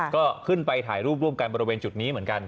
ก็ขึ้นไปถ่ายรูปร่วมกันบริเวณจุดนี้เหมือนกัน